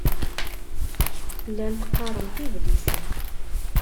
Llant qqarent idlisen.